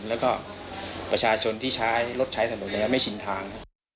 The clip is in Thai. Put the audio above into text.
แล้วก็ประชาชนที่รถใช้ถนนไม่ชินทาง